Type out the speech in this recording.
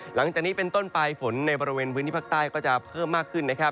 หลังจากนี้เป็นต้นไปฝนในบริเวณพื้นที่ภาคใต้ก็จะเพิ่มมากขึ้นนะครับ